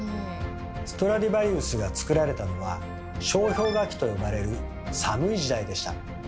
ストラディヴァリウスが作られたのは「小氷河期」と呼ばれる寒い時代でした。